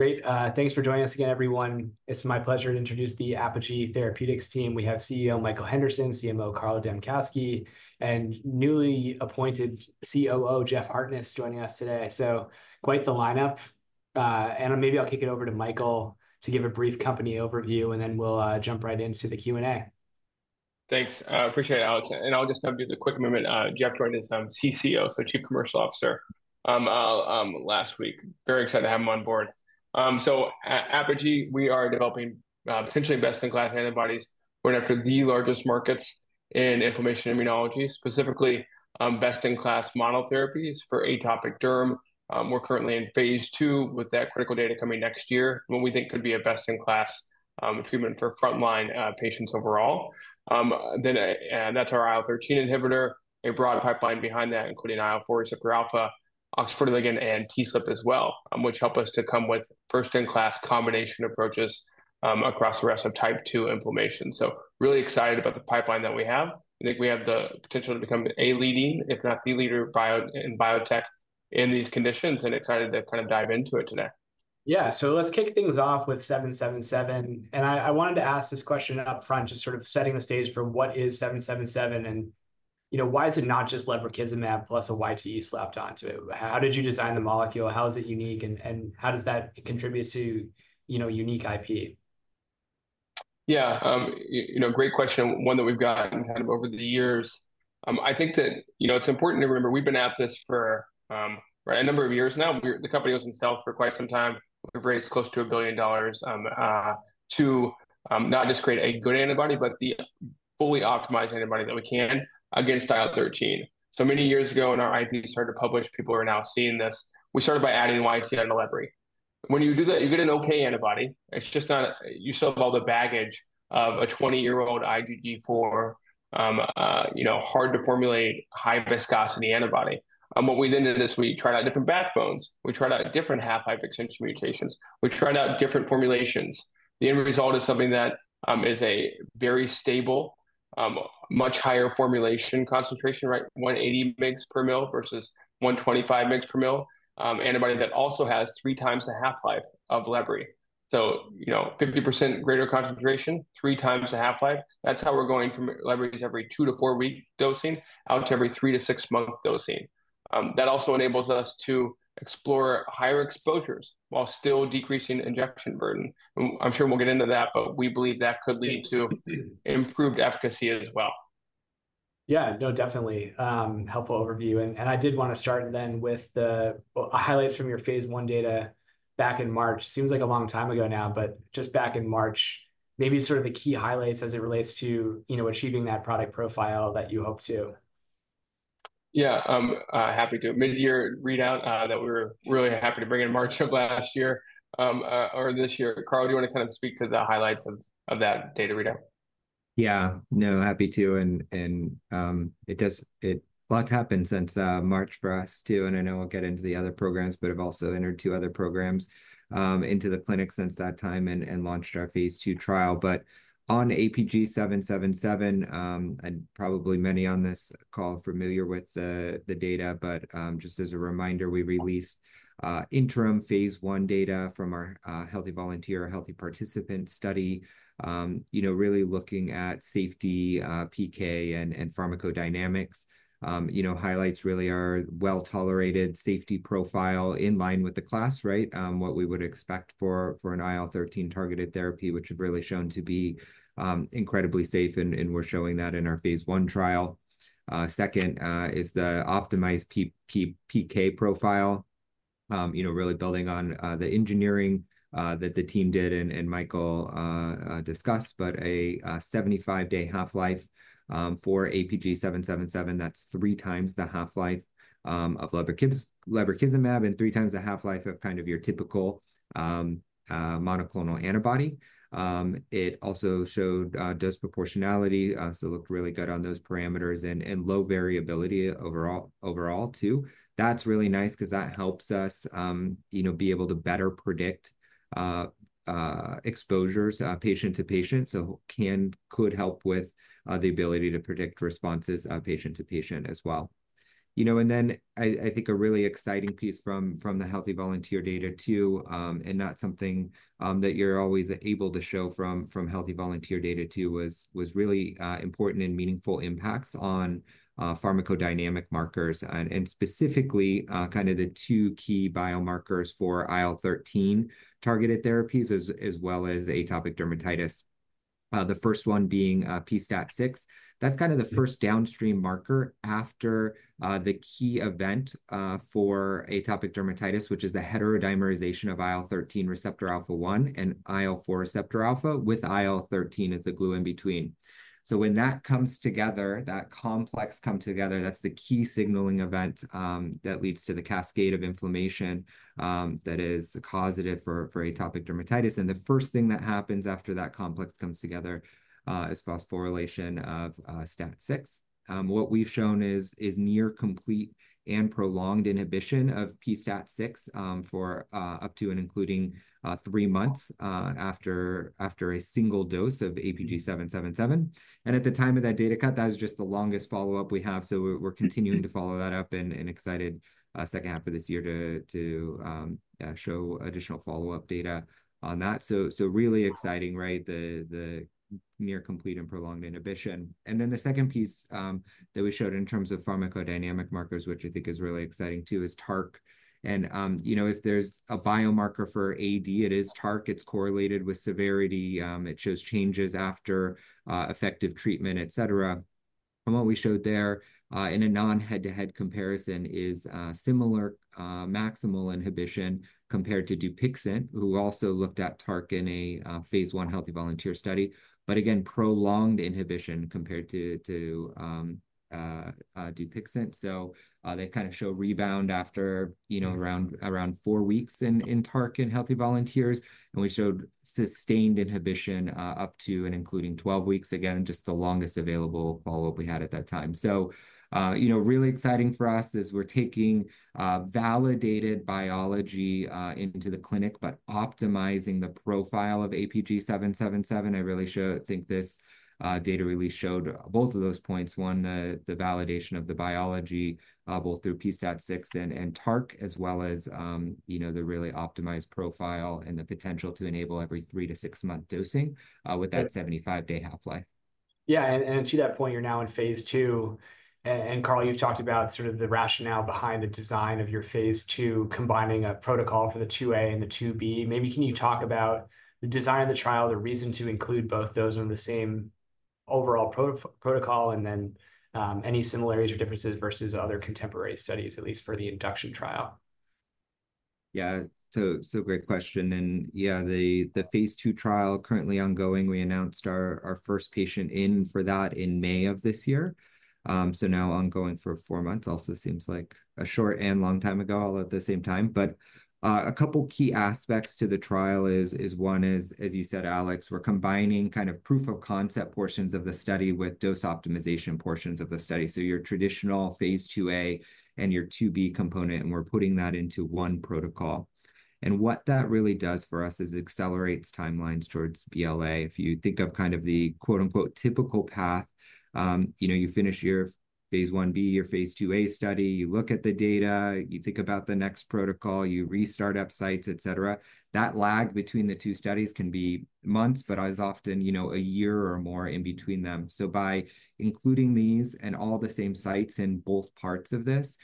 Great, thanks for joining us again, everyone. It's my pleasure to introduce the Apogee Therapeutics team. We have CEO Michael Henderson, CMO Carl Dambkowski, and newly appointed COO Jeff Hartness joining us today. So quite the lineup. And maybe I'll kick it over to Michael to give a brief company overview, and then we'll jump right into the Q&A. Thanks. I appreciate it, Alex, and I'll just update you a quick moment. Jeff joined as CCO, so Chief Commercial Officer last week. Very excited to have him on board. So Apogee, we are developing potentially best-in-class antibodies. We're after the largest markets in inflammation immunology, specifically best-in-class monotherapies for atopic derm. We're currently in phase II, with that critical data coming next year, what we think could be a best-in-class treatment for frontline patients overall. Then, and that's our IL-13 inhibitor, a broad pipeline behind that, including IL-4 receptor alpha, OX40 ligand, and TSLP as well, which help us to come with first-in-class combination approaches across the rest of Type 2 inflammation. So really excited about the pipeline that we have. I think we have the potential to become a leading, if not the leader, in biotech in these conditions, and excited to kind of dive into it today. Yeah, so let's kick things off with 777. And I wanted to ask this question up front, just sort of setting the stage for what is 777, and, you know, why is it not just lebrikizumab plus a YTE slapped onto it? How did you design the molecule, how is it unique, and how does that contribute to, you know, unique IP? Yeah, you know, great question, and one that we've gotten kind of over the years. I think that, you know, it's important to remember we've been at this for a number of years now. We're the company was in stealth for quite some time. We've raised close to $1 billion to not just create a good antibody, but the fully optimized antibody that we can against IL-13. So many years ago, when our IP started to publish, people are now seeing this. We started by adding YTE on the Lebrikizumab. When you do that, you get an okay antibody. It's just not you still have all the baggage of a 20-year-old IgG4, you know, hard to formulate, high viscosity antibody. What we then did is we tried out different backbones. We tried out different half-life extension mutations. We tried out different formulations. The end result is something that is a very stable, much higher formulation concentration, right, 180 mg per mL versus 125 mg per mL, antibody that also has 3x the half-life of Lebrik. So, you know, 50% greater concentration, 3x the half-life. That's how we're going from Lebrik's every 2-4 week dosing out to every 3-6 month dosing. That also enables us to explore higher exposures while still decreasing injection burden, and I'm sure we'll get into that, but we believe that could lead to improved efficacy as well. Yeah. No, definitely, helpful overview, and I did want to start then with the, well, highlights from your phase I data back in March. Seems like a long time ago now, but just back in March, maybe sort of the key highlights as it relates to, you know, achieving that product profile that you hope to. Yeah, happy to. Mid-year readout that we were really happy to bring in March of last year or this year. Carl, do you want to kind of speak to the highlights of that data readout? Yeah. No, happy to, and a lot's happened since March for us, too, and I know we'll get into the other programs, but I've also entered two other programs into the clinic since that time and launched our phase II trial. But on APG-777, and probably many on this call familiar with the data, but just as a reminder, we released interim phase I data from our healthy volunteer study. You know, really looking at safety, PK and pharmacodynamics. You know, highlights really are well-tolerated safety profile in line with the class, right? What we would expect for an IL-13-targeted therapy, which has really shown to be incredibly safe, and we're showing that in our phase I trial. Second, is the optimized PK profile. You know, really building on the engineering that the team did and Michael discussed, but a 75-day half-life for APG-777, that's 3x the half-life of lebrikizumab, and 3x the half-life of kind of your typical monoclonal antibody. It also showed dose proportionality, so looked really good on those parameters, and low variability overall, too. That's really nice because that helps us, you know, be able to better predict exposures patient to patient, so could help with the ability to predict responses patient to patient as well. You know, and then I think a really exciting piece from the healthy volunteer data, too, and not something that you're always able to show from healthy volunteer data, too, was really important and meaningful impacts on pharmacodynamic markers and specifically kind of the two key biomarkers for IL-13-targeted therapies, as well as atopic dermatitis. The first one being p-STAT6. That's kind of the first downstream marker after the key event for atopic dermatitis, which is the heterodimerization of IL-13 receptor alpha one and IL-4 receptor alpha, with IL-13 as the glue in between. So when that comes together, that complex come together, that's the key signaling event that leads to the cascade of inflammation that is causative for atopic dermatitis. The first thing that happens after that complex comes together is phosphorylation of STAT6. What we've shown is near complete and prolonged inhibition of p-STAT6 for up to and including three months after a single dose of APG-777. At the time of that data cut, that was just the longest follow-up we have, so we're continuing to follow that up and excited second half of this year to show additional follow-up data on that. Really exciting, right? The near complete and prolonged inhibition. The second piece that we showed in terms of pharmacodynamic markers, which I think is really exciting, too, is TARC. You know, if there's a biomarker for AD, it is TARC. It's correlated with severity. It shows changes after effective treatment, et cetera. From what we showed there, in a non-head-to-head comparison, is similar maximal inhibition compared to Dupixent, who also looked at TARC in a phase I healthy volunteer study. But again, prolonged inhibition compared to Dupixent. So, they kind of show rebound after, you know, around four weeks in TARC in healthy volunteers, and we showed sustained inhibition up to and including twelve weeks. Again, just the longest available follow-up we had at that time. So, you know, really exciting for us is we're taking validated biology into the clinic, but optimizing the profile of APG-777. I really think this data really showed both of those points. One, the validation of the biology both through p-STAT6 and TARC, as well as, you know, the really optimized profile and the potential to enable every three- to six-month dosing with that 75-day half-life. Yeah, and to that point, you're now in phase II. Carl, you've talked about sort of the rationale behind the design of your phase II, combining a protocol for the II-A and the II-B. Maybe can you talk about the design of the trial, the reason to include both those under the same overall protocol, and then any similarities or differences versus other contemporary studies, at least for the induction trial? Yeah, so great question, and yeah, the phase II trial currently ongoing. We announced our first patient in for that in May of this year, so now ongoing for four months, also seems like a short and long time ago, all at the same time, but a couple key aspects to the trial is one, as you said, Alex. We're combining kind of proof-of-concept portions of the study with dose optimization portions of the study, so your traditional phase II-A and your II-B component, and we're putting that into one protocol, and what that really does for us is it accelerates timelines towards BLA. If you think of kind of the, quote, unquote, "typical path," you know, you finish your phase I-B, your phase II-A study, you look at the data, you think about the next protocol, you restart up sites, et cetera. That lag between the two studies can be months, but as often, you know, a year or more in between them. So by including these in all the same sites in both parts of this,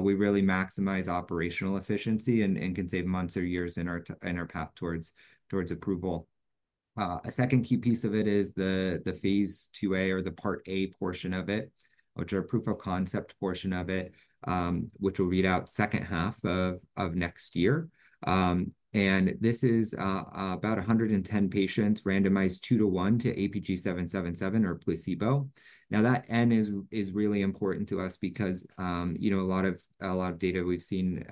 we really maximize operational efficiency and can save months or years in our path towards approval. A second key piece of it is the phase II-A or the Part A portion of it, which are proof-of-concept portion of it, which we'll read out second half of next year. And this is about 110 patients randomized two to one to APG-777 or placebo. Now, that n is really important to us because you know a lot of data we've seen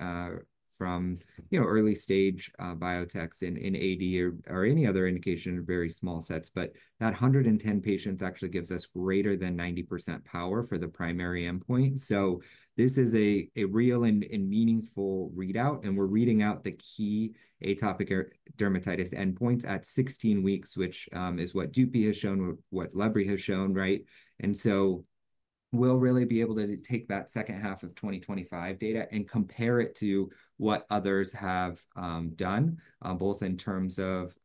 from you know early stage biotechs in AD or any other indication are very small sets. But that 110 patients actually gives us greater than 90% power for the primary endpoint. So this is a real and meaningful readout, and we're reading out the key atopic dermatitis endpoints at 16 weeks, which is what Dupixent has shown, what lebrikizumab has shown, right? And so we'll really be able to take that second half of 2025 data and compare it to what others have done, both in terms of,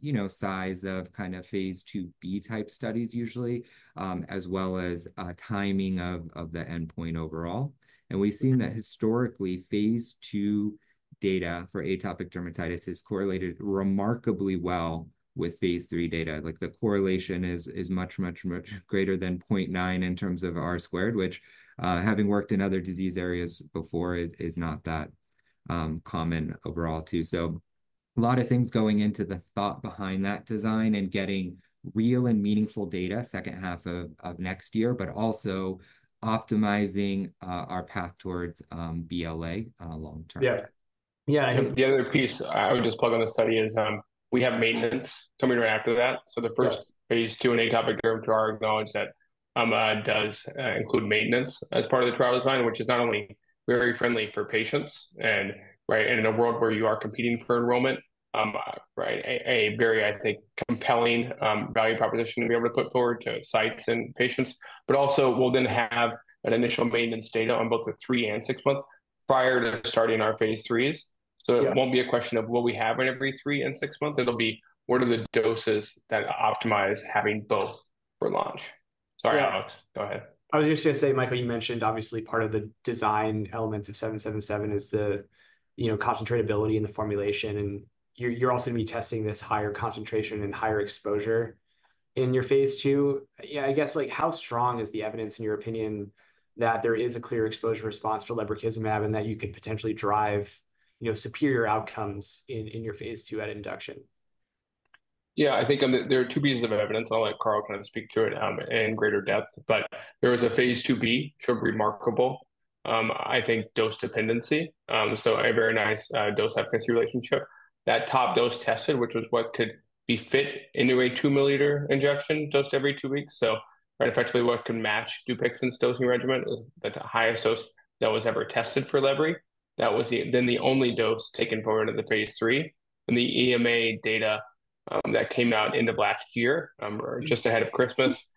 you know, size of kind of phase II-B type studies, usually, as well as, timing of the endpoint overall. And we've seen that historically, phase II data for atopic dermatitis has correlated remarkably well with phase III data. Like, the correlation is much, much, much greater than point nine in terms of R-squared, which, having worked in other disease areas before, is not that common overall, too. So a lot of things going into the thought behind that design and getting real and meaningful data second half of next year, but also optimizing our path towards BLA long term. Yeah. Yeah- The other piece I would just plug on this study is, we have maintenance coming right after that. So the first phase II in atopic dermatitis that does include maintenance as part of the trial design, which is not only very friendly for patients and, right, and in a world where you are competing for enrollment, right, a very, I think, compelling value proposition to be able to put forward to sites and patients. But also, we'll then have an initial maintenance data on both the three- and six-month prior to starting our phase IIIs. So it won't be a question of will we have an every three and six month, it'll be, what are the doses that optimize having both for launch? Sorry, Alex, go ahead. I was just gonna say, Michael, you mentioned obviously part of the design elements of seven seven seven is the, you know, concentratability and the formulation, and you're also gonna be testing this higher concentration and higher exposure in your phase II. Yeah, I guess, like, how strong is the evidence, in your opinion, that there is a clear exposure response to lebrikizumab and that you could potentially drive, you know, superior outcomes in your phase II at induction? Yeah, I think, there are two pieces of evidence. I'll let Carl kind of speak to it, in greater depth, but there was a phase II-B showed remarkable, I think, dose dependency, so a very nice, dose-efficacy relationship. That top dose tested, which was what could be fit into a two-millimeter injection dosed every two weeks, so effectively what can match Dupixent's dosing regimen, the highest dose that was ever tested for Lebri. That was the, then the only dose taken forward to the phase III. And the EMA data, that came out end of last year, or just ahead of Christmas,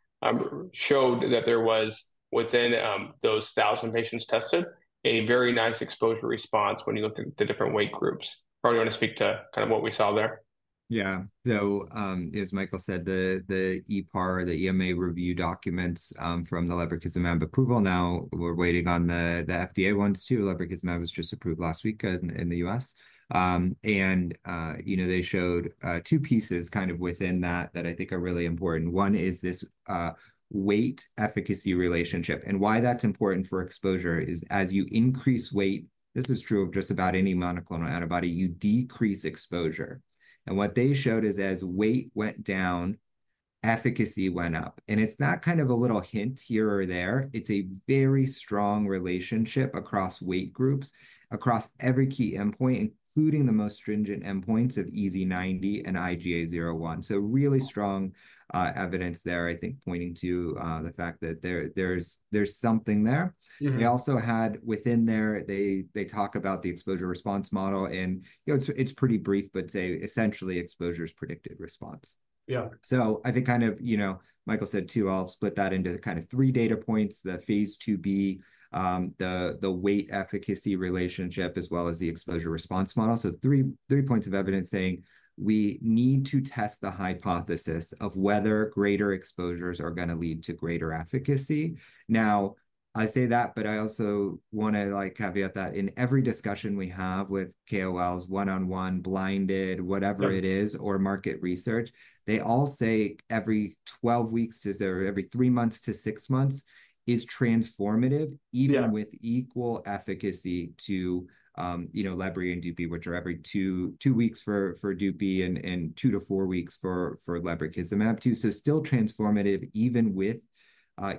showed that there was, within, those thousand patients tested, a very nice exposure response when you looked at the different weight groups. Carl, you want to speak to kind of what we saw there?... Yeah, so, as Michael said, the EPAR, the EMA review documents, from the lebrikizumab approval now, we're waiting on the FDA ones, too. Lebrikizumab was just approved last week, in the U.S. And, you know, they showed, two pieces kind of within that I think are really important. One is this, weight efficacy relationship, and why that's important for exposure is as you increase weight, this is true of just about any monoclonal antibody, you decrease exposure. And what they showed is as weight went down, efficacy went up, and it's not kind of a little hint here or there, it's a very strong relationship across weight groups, across every key endpoint, including the most stringent endpoints of EASI-90 and IGA 0/1. So really strong evidence there, I think, pointing to the fact that there, there's something there. They also had within there, they talk about the exposure response model, and, you know, it's pretty brief, but say essentially exposure's predicted response. Yeah. So I think kind of, you know, Michael said, too. I'll split that into kind of three data points, the phase II-B, the weight efficacy relationship, as well as the exposure response model. So three points of evidence saying we need to test the hypothesis of whether greater exposures are gonna lead to greater efficacy. Now, I say that, but I also wanna, like, caveat that in every discussion we have with KOLs, one-on-one, blinded, whatever it is-... or market research, they all say every 12 weeks is there, every three months to six months is transformative-... even with equal efficacy to, you know, Lebrik and Dupi, which are every two weeks for Dupi and two to four weeks for Lebrikizumab, too, so still transformative even with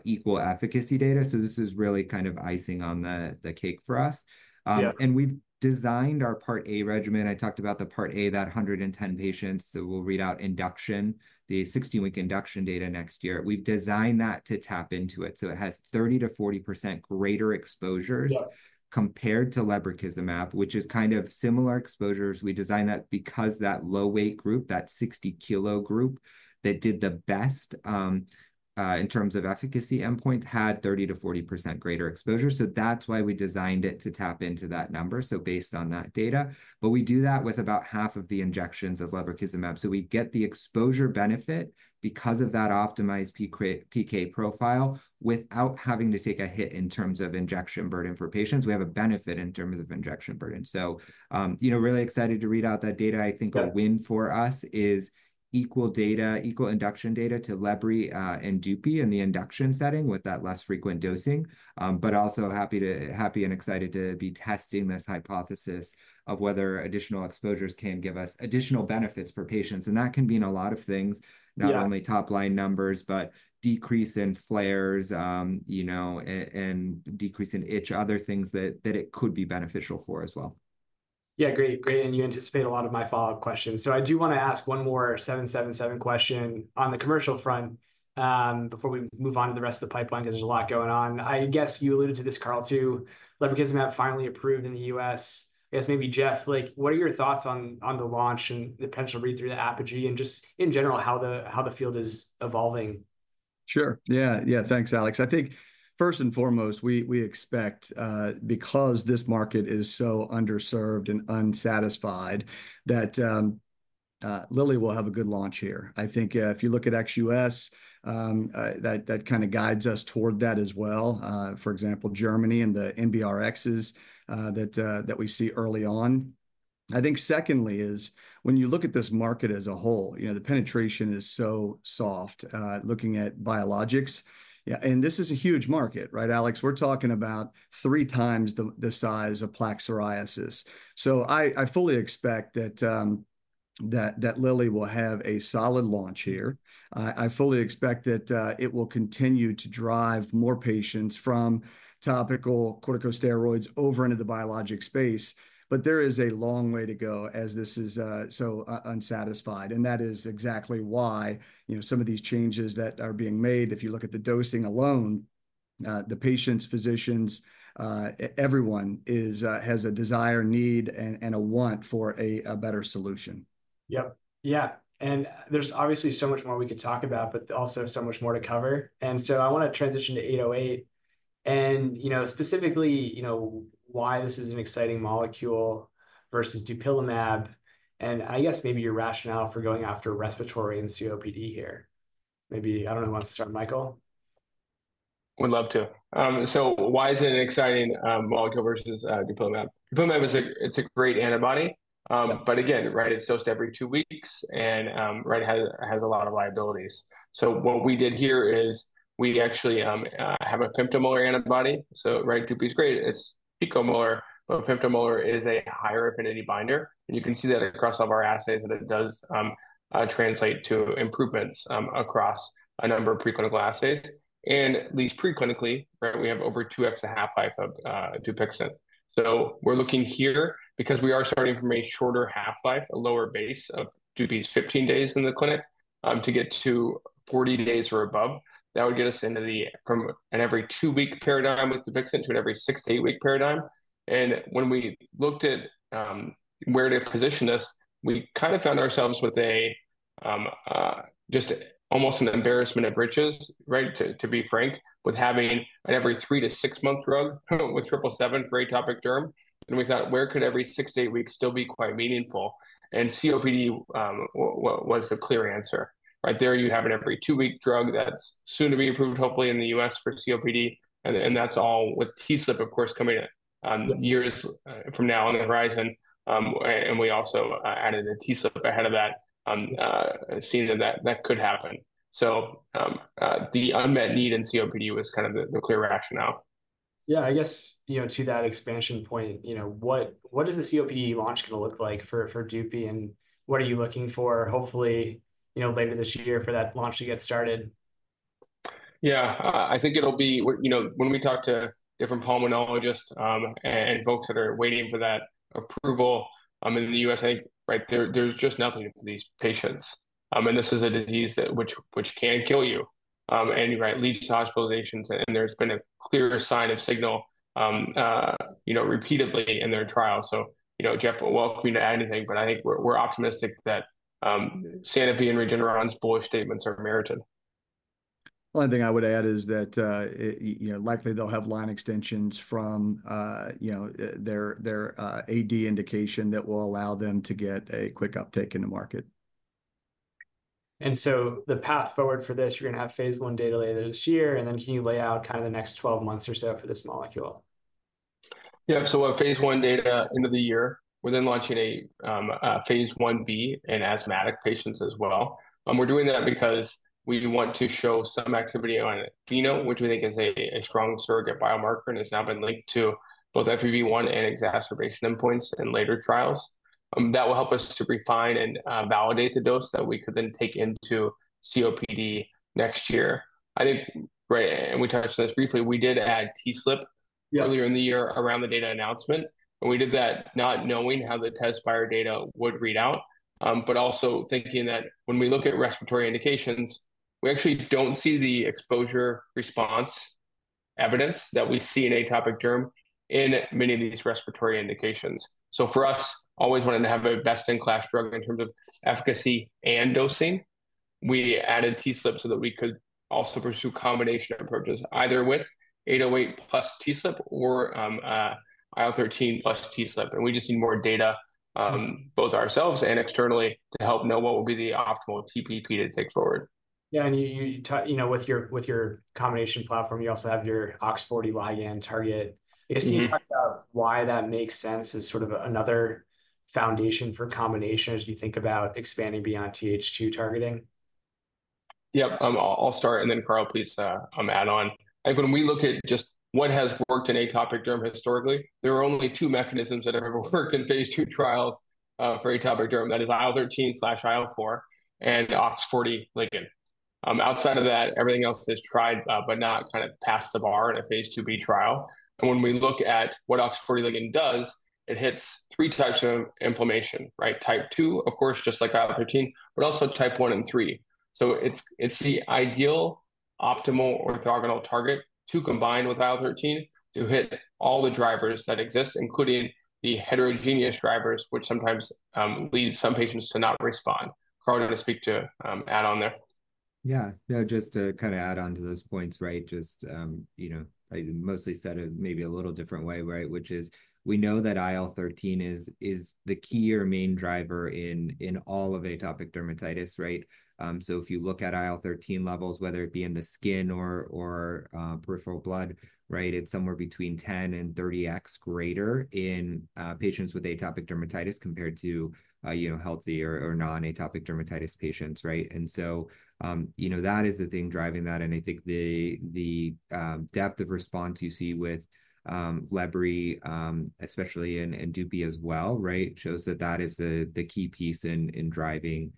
equal efficacy data, so this is really kind of icing on the cake for us. And we've designed our Part A regimen. I talked about the Part A, that 110 patients, so we'll read out induction, the 16-week induction data next year. We've designed that to tap into it, so it has 30%-40% greater exposures.... compared to lebrikizumab, which is kind of similar exposures. We designed that because that low-weight group, that 60-kilo group, that did the best, in terms of efficacy endpoints, had 30%-40% greater exposure. So that's why we designed it to tap into that number, so based on that data. But we do that with about half of the injections of lebrikizumab. So we get the exposure benefit because of that optimized PK, PK profile without having to take a hit in terms of injection burden for patients. We have a benefit in terms of injection burden. So, you know, really excited to read out that data. I think a win for us is equal data, equal induction data to Lebri and Dupi in the induction setting with that less frequent dosing. But also happy and excited to be testing this hypothesis of whether additional exposures can give us additional benefits for patients, and that can mean a lot of things-... not only top-line numbers, but decrease in flares, you know, and decrease in itch, other things that it could be beneficial for as well. Yeah, great, great, and you anticipated a lot of my follow-up questions. So I do wanna ask one more 777 question on the commercial front, before we move on to the rest of the pipeline, 'cause there's a lot going on. I guess you alluded to this, Carl, too, lebrikizumab finally approved in the U.S. I guess maybe, Jeff, like, what are your thoughts on, on the launch and the potential readthrough to Apogee, and just in general, how the, how the field is evolving? Sure. Yeah, yeah, thanks, Alex. I think first and foremost, we expect, because this market is so underserved and unsatisfied, that Lilly will have a good launch here. I think, if you look at ex U.S., that kind of guides us toward that as well. For example, Germany and the NBRXs, that we see early on. I think secondly is when you look at this market as a whole, you know, the penetration is so soft, looking at biologics. Yeah, and this is a huge market, right, Alex? We're talking about 3x the size of plaque psoriasis. So I fully expect that Lilly will have a solid launch here. I fully expect that it will continue to drive more patients from topical corticosteroids over into the biologic space, but there is a long way to go, as this is so unsatisfied, and that is exactly why, you know, some of these changes that are being made, if you look at the dosing alone, the patients, physicians, everyone has a desire, need, and a want for a better solution. Yep. Yeah, and there's obviously so much more we could talk about, but also so much more to cover, and so I wanna transition to 808. And, you know, specifically, you know, why this is an exciting molecule versus dupilumab, and I guess maybe your rationale for going after respiratory and COPD here. Maybe, I don't know, who wants to start? Michael? Would love to. So why is it an exciting molecule versus Dupilumab? Dupilumab is a great antibody. But again, right, it's dosed every two weeks and right has a lot of liabilities. So what we did here is we actually have a femtomolar antibody, so right, Dupi's great, it's picomolar, but femtomolar is a higher affinity binder. And you can see that across all of our assays, that it does translate to improvements across a number of preclinical assays. And at least preclinically, right, we have over 2x a half-life of Dupixent. We're looking here, because we are starting from a shorter half-life, a lower base of Dupi's 15 days in the clinic, to get to 40 days or above. That would get us from an every-two-week paradigm with Dupixent to an every six-to-eight-week paradigm. When we looked at where to position this, we kind of found ourselves with just almost an embarrassment of riches, right, to be frank, with having an every three-to-six-month drug with 777 for atopic derm. We thought, "Where could every six-to-eight weeks still be quite meaningful?" COPD was the clear answer. Right there, you have an every two-week drug that's soon to be approved, hopefully, in the U.S. for COPD, and that's all with TSLP, of course, coming in years from now on the horizon. And we also added a TSLP ahead of that, seeing that that could happen. So, the unmet need in COPD was kind of the clear rationale. Yeah, I guess, you know, to that expansion point, you know, what is the COPD launch gonna look like for Dupixent, and what are you looking for, hopefully, you know, later this year for that launch to get started? Yeah, I think it'll be, you know, when we talk to different pulmonologists and folks that are waiting for that approval in the USA, right, there's just nothing for these patients, and this is a disease which can kill you and, right, leads to hospitalizations, and there's been a clear signal, you know, repeatedly in their trials, so you know, Jeff, you're welcome to add anything, but I think we're optimistic that Sanofi and Regeneron's bullish statements are merited. One thing I would add is that, you know, likely they'll have line extensions from, you know, their AD indication that will allow them to get a quick uptake in the market. And so the path forward for this, you're gonna have phase I data later this year, and then can you lay out kind of the next twelve months or so for this molecule? Yeah, so our phase I data end of the year, we're then launching a phase Ib in asthmatic patients as well. And we're doing that because we want to show some activity on FeNO, which we think is a strong surrogate biomarker and has now been linked to both FEV1 and exacerbation endpoints in later trials. That will help us to refine and validate the dose that we could then take into COPD next year. I think, right, and we touched on this briefly, we did add TSLP- Yeah... earlier in the year around the data announcement, and we did that not knowing how the Phase 1 data would read out, but also thinking that when we look at respiratory indications, we actually don't see the exposure response evidence that we see in atopic derm in many of these respiratory indications. So for us, always wanting to have a best-in-class drug in terms of efficacy and dosing, we added TSLP so that we could also pursue combination approaches, either with 808 plus TSLP or IL-13 plus TSLP. And we just need more data, both ourselves and externally, to help know what would be the optimal TPP to take forward. Yeah, and you know, with your combination platform, you also have your OX40 ligand target. Can you talk about why that makes sense as sort of another foundation for combination as you think about expanding beyond Th2 targeting? Yep, I'll start, and then Carl, please, add on. Like, when we look at just what has worked in atopic derm historically, there are only two mechanisms that have ever worked in phase II trials, for atopic derm. That is IL-13/IL-4 and OX40 ligand. Outside of that, everything else has tried, but not kind of passed the bar in a phase IIb trial. And when we look at what OX40 ligand does, it hits three types of inflammation, right? Type 2, of course, just like IL-13, but also Type 1 and 3. So it's the ideal, optimal orthogonal target to combine with IL-13 to hit all the drivers that exist, including the heterogeneous drivers, which sometimes, lead some patients to not respond. Carl, did I speak to add on there? Yeah. No, just to kind of add on to those points, right? Just, you know, I mostly said it maybe a little different way, right? Which is, we know that IL-13 is the key or main driver in all of atopic dermatitis, right? So if you look at IL-13 levels, whether it be in the skin or peripheral blood, right, it's somewhere between 10-30x greater in patients with atopic dermatitis compared to, you know, healthy or non-atopic dermatitis patients, right? And so, you know, that is the thing driving that, and I think the depth of response you see with lebrikizumab, especially in Dupixent as well, right, shows that that is the key piece in driving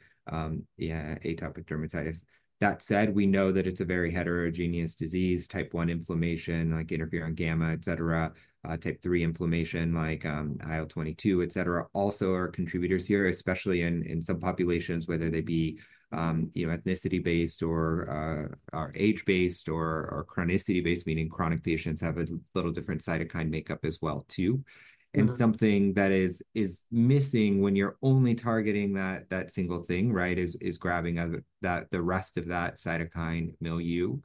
yeah, atopic dermatitis. That said, we know that it's a very heterogeneous disease, Type 1 inflammation, like interferon gamma, et cetera. Type 3 inflammation, like, IL-22, et cetera, also are contributors here, especially in some populations, whether they be, you know, ethnicity-based or age-based or chronicity-based, meaning chronic patients have a little different cytokine makeup as well, too. And something that is missing when you're only targeting that single thing, right, is grabbing at the rest of that cytokine milieu.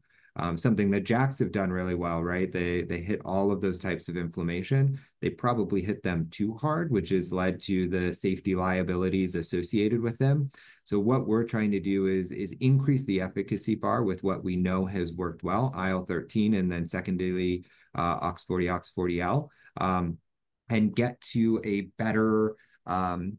Something that JAKs have done really well, right? They hit all of those types of inflammation. They probably hit them too hard, which has led to the safety liabilities associated with them. So what we're trying to do is increase the efficacy bar with what we know has worked well, IL-13, and then secondarily, OX40, OX40L, and get to a better,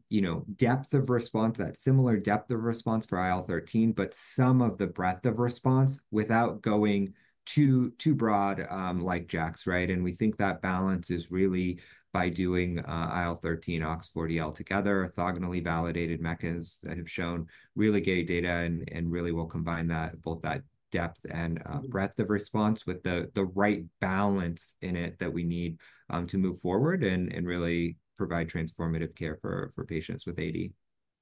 you know, depth of response, that similar depth of response for IL-13, but some of the breadth of response without going too broad, like JAKs, right? We think that balance is really by doing IL-13, OX40L together, orthogonally validated mechanisms that have shown really great data and really will combine that, both that depth and breadth of response with the right balance in it that we need to move forward and really provide transformative care for patients with AD.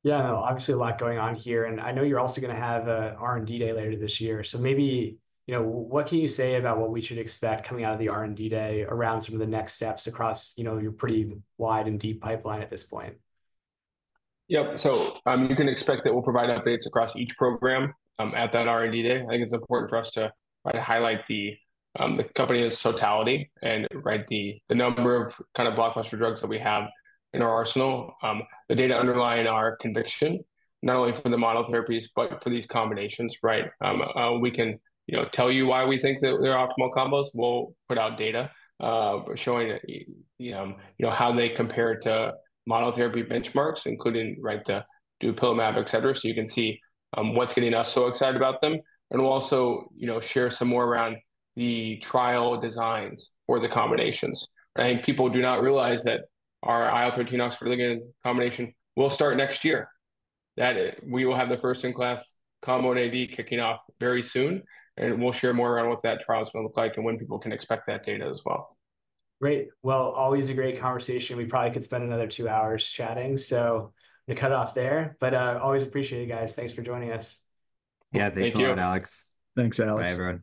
Yeah, obviously a lot going on here, and I know you're also gonna have a R&D Day later this year. So maybe, you know, what can you say about what we should expect coming out of the R&D Day around some of the next steps across, you know, your pretty wide and deep pipeline at this point? Yep. So, you can expect that we'll provide updates across each program, at that R&D Day. I think it's important for us to try to highlight the company's totality and, right, the number of kind of blockbuster drugs that we have in our arsenal. The data underlying our conviction, not only for the monotherapies, but for these combinations, right? We can, you know, tell you why we think that they're optimal combos. We'll put out data, showing, you know, how they compare to monotherapy benchmarks, including, right, the Dupilumab, et cetera, so you can see, what's getting us so excited about them, and we'll also, you know, share some more around the trial designs for the combinations, right? And people do not realize that our IL-13, OX40 ligand combination will start next year. That is, we will have the first-in-class combo AD kicking off very soon, and we'll share more around what that trial is gonna look like and when people can expect that data as well. Great. Always a great conversation. We probably could spend another two hours chatting, so gonna cut off there, but always appreciate you guys. Thanks for joining us. Yeah, thank you, Alex. Thanks a lot, Alex. Bye, everyone.